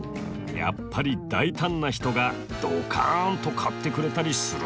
やっぱり大胆な人がドカンと買ってくれたりするのかな？